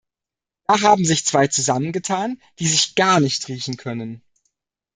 Da haben sich zwei zusammengetan, die sich gar nicht riechen können!